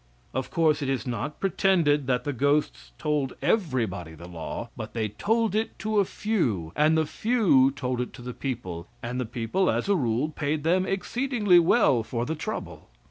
Of course, it is not pretended that the ghosts told everybody the law, but they told it to a few, and the few told it to the people, and the people, as a rule, paid them exceedingly well for the trouble.